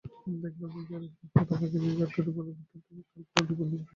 দেখিলাম, নির্ঝরের সেই হতভাগিনী জাঠতুতো বোনের বৃত্তান্তটিই ডালপালা দিয়া বর্ণিত।